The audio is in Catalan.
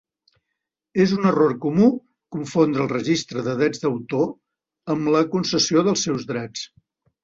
És un error comú confondre el registre de drets d'autor amb la concessió dels seus drets.